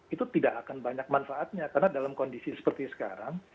itu tidak akan banyak manfaatnya karena dalam kondisi seperti sekarang